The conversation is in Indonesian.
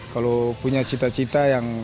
kalau punya cita cita yang